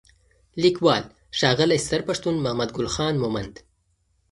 لیکوال: ښاغلی ستر پښتون محمدګل خان مومند